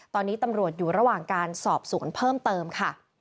ตอนนี้ตำรวจอยู่ระหว่างการสอบสวนเพิ่มเติมค่ะ